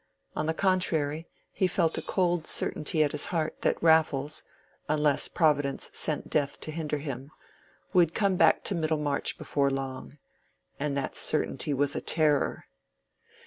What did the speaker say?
On the contrary, he felt a cold certainty at his heart that Raffles—unless providence sent death to hinder him—would come back to Middlemarch before long. And that certainty was a terror.